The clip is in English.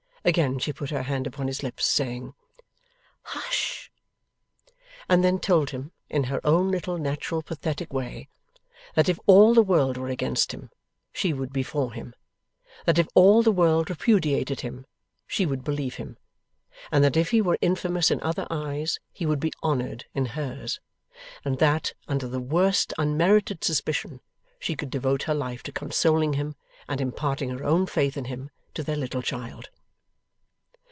Again she put her hand upon his lips, saying, 'Hush!' and then told him, in her own little natural pathetic way, that if all the world were against him, she would be for him; that if all the world repudiated him, she would believe him; that if he were infamous in other eyes, he would be honoured in hers; and that, under the worst unmerited suspicion, she could devote her life to consoling him, and imparting her own faith in him to their little child.